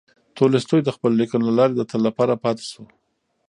تولستوی د خپلو لیکنو له لارې د تل لپاره پاتې شو.